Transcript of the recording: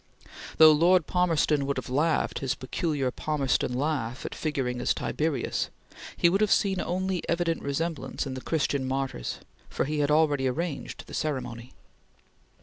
Though Lord Palmerston would have laughed his peculiar Palmerston laugh at figuring as Tiberius, he would have seen only evident resemblance in the Christian martyrs, for he had already arranged the ceremony.